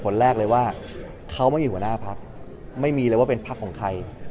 แรกเลยว่าเขาไม่มีหัวหน้าพักไม่มีเลยว่าเป็นพักของใคร